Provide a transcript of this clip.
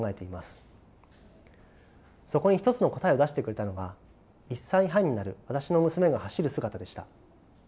そこに一つの答えを出してくれたのが１歳半になる私の娘が走る姿でした。